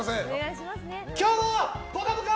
今日は「ぽかぽか」